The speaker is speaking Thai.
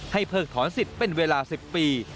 เพิกถอนสิทธิ์เป็นเวลา๑๐ปี